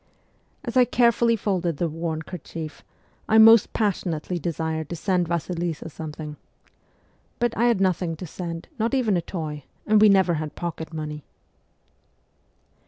As I carefully folded the worn kerchief, I most passionately desired to send Vasilisa something. But I had nothing to send, not even a toy, and we never had pocket money.